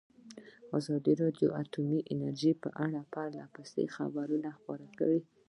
ازادي راډیو د اټومي انرژي په اړه پرله پسې خبرونه خپاره کړي.